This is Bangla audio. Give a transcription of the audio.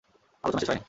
আলোচনা শেষ হয় নাই।